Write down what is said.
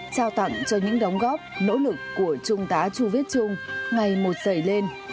trao tặng cho những đóng góp nỗ lực của trung tá chu viết trung ngày một dày lên